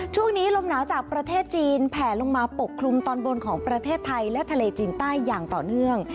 ช่วงนี้ลมหนาวจากประเทศจีนแผลลงมาปกคลุมตอนบนของประเทศไทยและทะเลจีนใต้อย่างต่อเนื่อง